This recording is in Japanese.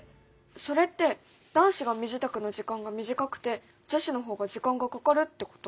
それって男子が身支度の時間が短くて女子の方が時間がかかるってこと？